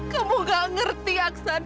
kamu gak ngerti aksan